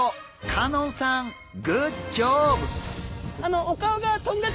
香音さんグッジョブ！